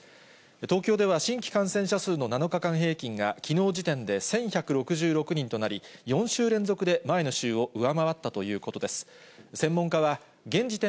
東京では新規感染者数の７日間平均がきのう時点で１１６６人となり、４週連続で前の週を上回ったということです。